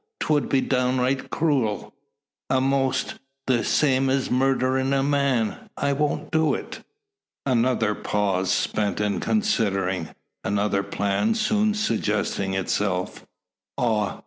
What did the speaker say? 'Twould be downright cruel. A'most the same as murderin' a man. I wont do it." Another pause spent in considering; another plan soon suggesting itself. "Ah!"